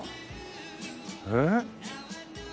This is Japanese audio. えっ？